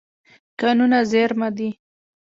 کانونه زېرمه دي.